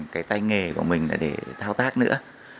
cái tay nghề của mình để thao tác nữa